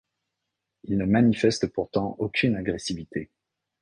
Ils ne manifestent pourtant aucune agressivité.